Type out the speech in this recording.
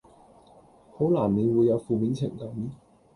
好難免會有負面情感